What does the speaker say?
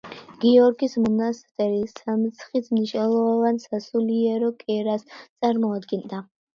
გიორგის მონასტერი სამცხის მნიშვნელოვან სასულიერო კერას წარმოადგენდა.